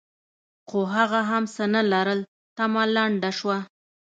خو هغه هم څه نه لرل؛ تمه لنډه شوه.